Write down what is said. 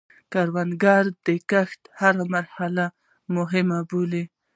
کروندګر د کښت هره مرحله مهمه بولي